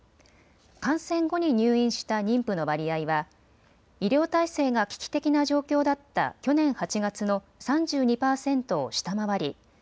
感染後に入院した妊婦の割合は医療体制が危機的な状況だった去年８月の３２％を下回り